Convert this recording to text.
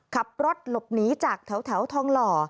ขับรถหลบหนีจากแถวทองหล่อ